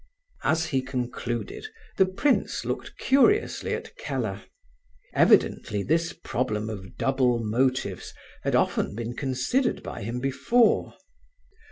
As he concluded the prince looked curiously at Keller; evidently this problem of double motives had often been considered by him before.